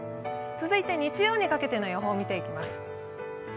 続いて日曜にかけての予報、見ていきます。